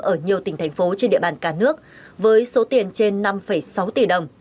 ở nhiều tỉnh thành phố trên địa bàn cả nước với số tiền trên năm sáu tỷ đồng